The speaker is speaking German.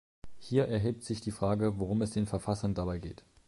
Hier erhebt sich die Frage, worum es den Verfassern dabei geht.